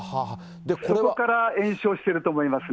そこから延焼してると思いますね。